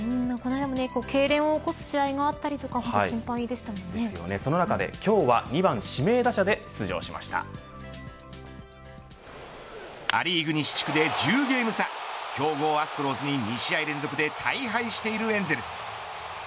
この間も、けいれんを起こす試合もあったりとかそんな中で今日はア・リーグ西地区で１０ゲーム差強豪アストロズに２戦２敗２試合連続で大敗しているエンゼルス。